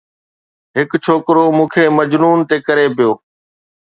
هڪ ڇوڪرو، مون کي مجنون تي ڪري پيو